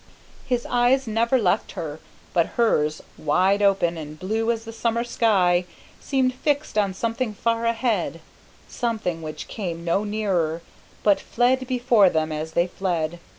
His eyes never left her, but hers, wide open, and blue as the summer sky, seemed fixed on something far ahead, something which came no nearer, but fled before them as they fled.